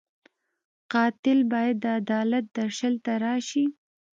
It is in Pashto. قاتل باید د عدالت درشل ته راشي